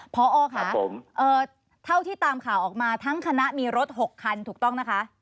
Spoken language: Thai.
พอค่ะเท่าที่ตามข่าวออกมาทั้งคณะมีรถ๖คันถูกต้องนะคะ